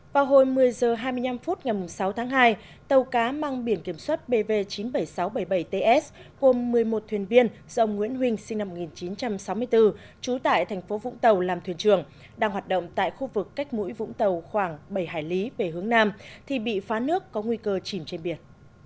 vào hồi một mươi h hai mươi năm phút ngày sáu tháng hai tàu cá mang biển kiểm soát bv chín mươi bảy nghìn sáu trăm bảy mươi bảy ts gồm một mươi một thuyền viên do ông nguyễn huỳnh sinh năm một nghìn chín trăm sáu mươi bốn trú tại thành phố vũng tàu làm thuyền trường đang hoạt động tại khu vực cách mũi vũng tàu khoảng bảy hải lý về hướng nam thì bị phá nước có nguy cơ chìm trên biển